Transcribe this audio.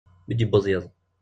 Mi d-yewweḍ yiḍ.